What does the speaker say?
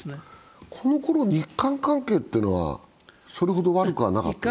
このころ日韓関係というのはそれほど悪くはなかったわけですか？